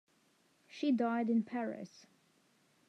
She died in Paris.